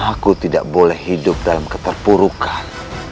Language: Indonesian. aku tidak boleh hidup dalam keterpurukan